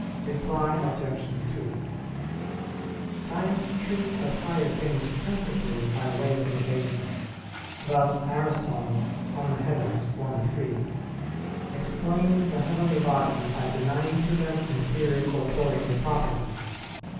Reply Obj. 2: Science treats of higher things principally by way of negation. Thus Aristotle (De Coel. i, 3) explains the heavenly bodies by denying to them inferior corporeal properties.